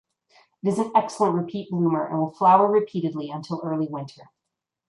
It is an excellent repeat bloomer and will flower repeatedly until early winter.